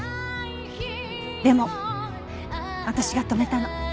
でも私が止めたの。